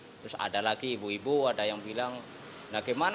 terus ada lagi ibu ibu ada yang bilang nah gimana